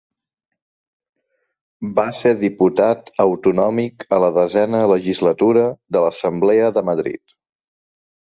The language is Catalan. Va ser diputat autonòmic a la desena legislatura de l'Assemblea de Madrid.